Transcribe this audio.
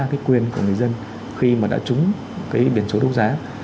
cái quyền của người dân khi mà đã trúng cái biển số đấu giá